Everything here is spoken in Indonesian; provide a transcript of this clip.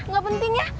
gak penting ya